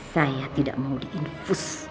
saya tidak mau diinfus